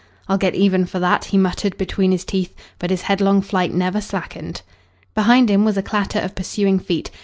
"I'll get even for that," he muttered between his teeth, but his headlong flight never slackened. Behind him was a clatter of pursuing feet.